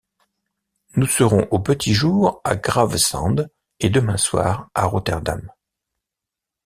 Nous serons au petit jour à Gravesend et demain soir à Rotterdam.